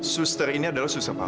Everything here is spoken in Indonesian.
suster ini adalah suster